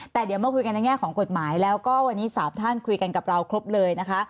แต่เดี๋ยวมาคุยกันในแง่ของกฎหมายแล้วก็วันนี้๓ท่านคุยกันกับเราครบเลยนะคะ